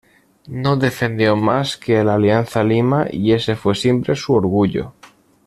No defendió más que al Alianza Lima y ese fue siempre su orgullo.